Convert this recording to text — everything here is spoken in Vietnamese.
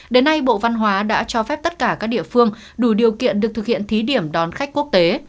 đến nay bộ văn hóa đã cho phép tất cả các địa phương đủ điều kiện được thực hiện thí điểm đón khách quốc tế